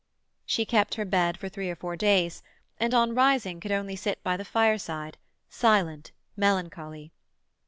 She kept her bed for three or four days, and on rising could only sit by the fireside, silent, melancholy.